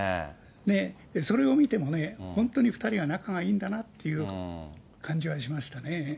それを見てもね、本当に２人は仲がいいんだなという感じはしましたね。